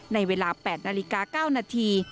ในเวลา๘นาฬิกา๙นาที